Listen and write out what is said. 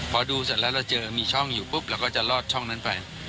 พอดูเสร็จแล้วเราเจอมีช่องอยู่ปุ๊บเราก็จะลอดช่องนั้นไป